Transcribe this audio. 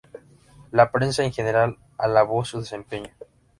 La prensa en general alabó su desempeño.